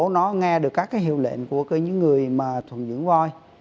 nó nghe được các hiệu lệnh của những người thuần dưỡng voi